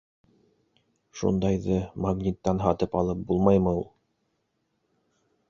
Шундайҙы Магниттан һатып алып булмаймы ул?